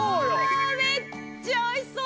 めっちゃ美味しそう！